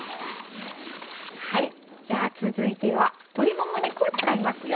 はいじゃあ続いては鶏もも肉を使いますよ。